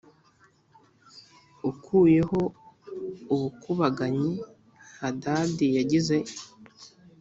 Ukuyeho ubukubaganyi Hadadi yagize